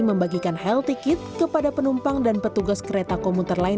membagikan health ticket kepada penumpang dan petugas kereta komuter lain